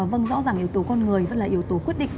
vâng rõ ràng yếu tố con người vẫn là yếu tố quyết định